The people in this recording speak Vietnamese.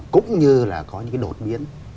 cũng như là có những cái đột biến